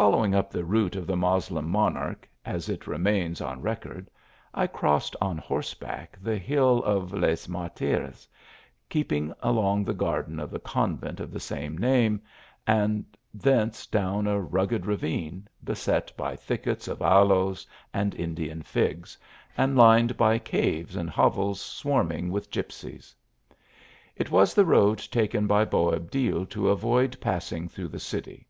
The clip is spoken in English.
MEMENTOS OF BOABDIL. 105 Following up the route of the Moslem monarch as it remains on record, I crossed cm horseback the hill of Les Martyrs, keeping along the garden of the convent of the same name, and thence down a rug ged ravine, beset by thickets of aloes and Indian figs, and lined by caves and hovels swarming with gip sies. It was the road taken by Boabdil to avoid passing through the city.